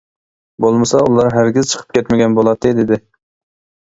بولمىسا ئۇلار ھەرگىز چىقىپ كەتمىگەن بولاتتى دېدى.